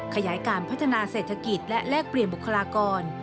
ขยายการพัฒนาเศรษฐกิจและแลกเปลี่ยนบุคลากร